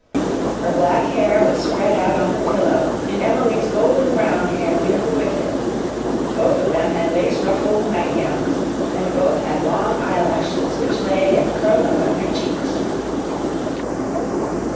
Her black hair was spread out on the pillow and Emily's golden brown hair mingled with it, both of them had lace ruffled nightgowns, and both had long eyelashes which lay and curled up on their cheeks.